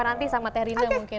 nanti sama teh rina mungkin